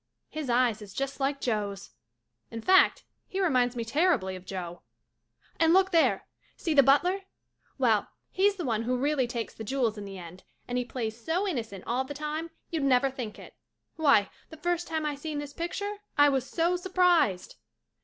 His eyes is just like Joe's. In fact he reminds me terribly of Joe. And look there, see the butler? Well, he's the one who really takes the jewels in the end and he plays so innocent all the time you'd never think it. Why, the first time I seen this picture I was so surprised.